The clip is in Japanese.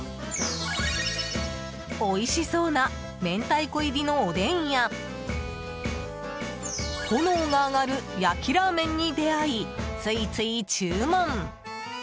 おいしそうな明太子入りのおでんや炎が上がる焼きラーメンに出会いついつい注文。